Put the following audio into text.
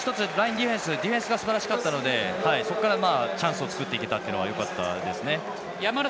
ディフェンスディフェンスがすばらしかったのでそこから、チャンスを作っていけたっていうのはよかったですね。